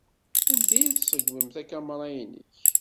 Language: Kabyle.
Anda ay d-tṣeggmeḍ takamra-nnek?